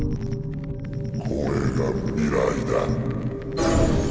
これが未来だ。